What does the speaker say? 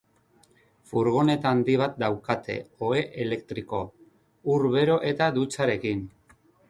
Furgoneta handi bat daukate, ohe elektriko, ur bero eta dutxarekin.